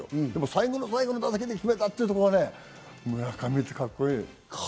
最後の最後の打席で決めたというところが村上ってカッコいい。